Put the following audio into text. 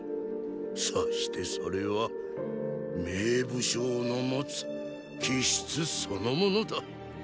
そしてそれは名武将の持つ気質そのものだ。